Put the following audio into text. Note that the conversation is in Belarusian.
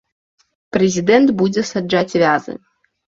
Прэзідэнт будзе саджаць вязы.